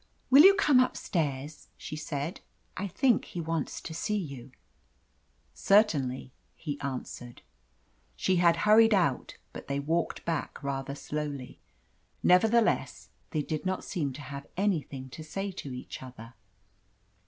"Will you come upstairs?" she said. "I think he wants to see you." "Certainly," he answered. She had hurried out, but they walked back rather slowly. Nevertheless, they did not seem to have anything to say to each other.